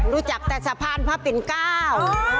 รู้จักแต่สะพานพระปิ่นเก้า